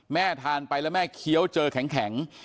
แม่ทานไปแล้วแม่เคี้ยวเจอแข็ง